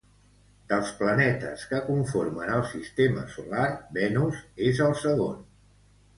Dels planetes que conformen el sistema solar, Venus és el segon.